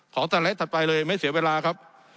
สไลด์ถัดไปเลยไม่เสียเวลาครับ